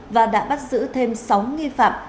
và đã bắt giữ thêm sáu nghi phạm